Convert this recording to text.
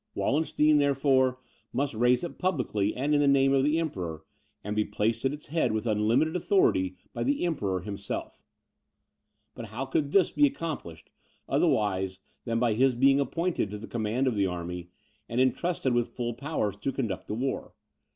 Wallenstein, therefore, must raise it publicly and in name of the Emperor, and be placed at its head, with unlimited authority, by the Emperor himself. But how could this be accomplished, otherwise than by his being appointed to the command of the army, and entrusted with full powers to conduct the war.